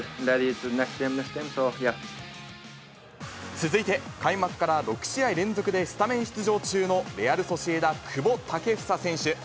続いて、開幕から６試合連続でスタメン出場中のレアル・ソシエダ、久保建英選手。